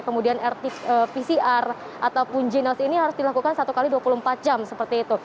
kemudian rt pcr ataupun jinos ini harus dilakukan satu x dua puluh empat jam seperti itu